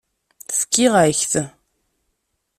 Fkiɣ-ak-t.